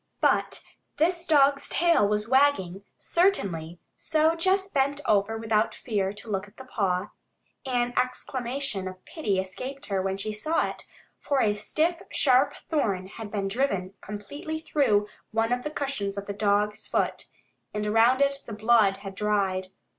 But this dog's tail was wagging, certainly, so Jess bent over without fear to look at the paw. An exclamation of pity escaped her when she saw it, for a stiff, sharp thorn had been driven completely through one of the cushions of the dog's foot, and around it the blood had dried.